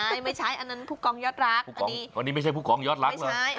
ใช่ไม่ใช่อันนั้นผู้กองยอดรัก